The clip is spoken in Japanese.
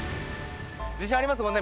自信ありますもんね